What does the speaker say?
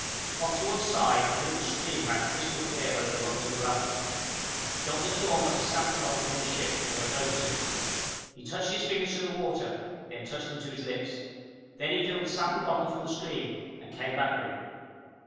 Off to one side, a little stream ran crystal clear over rocks and gravel. Dr. Thorne got a sample bottle from the ship, and went over to it. He touched his fingers to the water, and then touched them to his lips. Then he filled the sample bottle from the stream, and came back with it.